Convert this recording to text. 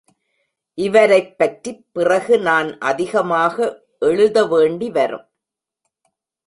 இவரைப் பற்றிப் பிறகு நான் அதிகமாக எழுத வேண்டி வரும்.